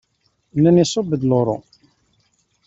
Nnan iṣubb-d luṛu.